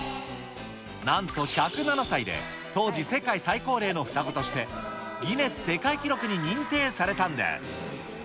なんと１０７歳で、当時世界最高齢の双子として、ギネス世界記録に認定されたんです。